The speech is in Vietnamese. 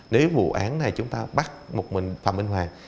nếu vụ án này chúng ta bắt một mình phạm minh hoàng